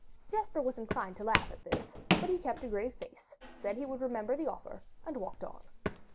Jesper was inclined to laugh at this, but he kept a grave face, said he would remember the offer, and walked on.